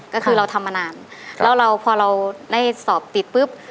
ก็คือเราทำมานานแล้วเราพอเราได้สอบติดปุ๊บ